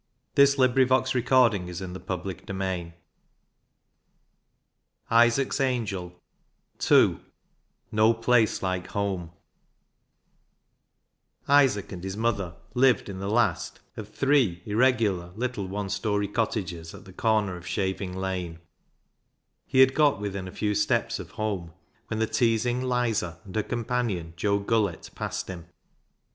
17 Isaac's Angel II No Place like Home 269 Isaac's Angel II No Place like Home Isaac and his mother lived in the last of three irregular little one storey cottages at the corner of Shaving Lane. He had got within a few steps of home when the teasing " Lizer " and her companion, Joe Gullett, passed him.